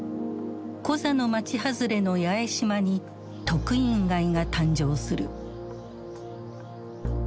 コザの町外れの八重島に「特飲街」が誕生する。